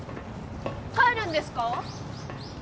帰るんですか？